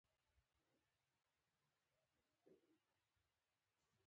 برق تلویزیونونه روښانه کوي او د کفر وعظ کېږي.